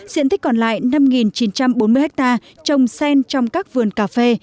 diện tích còn lại năm chín trăm bốn mươi ha trồng sen trong các vườn cà phê